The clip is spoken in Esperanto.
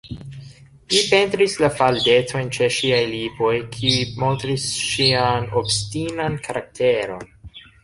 Mi pentris la faldetojn ĉe ŝiaj lipoj, kiuj montris ŝian obstinan karakteron.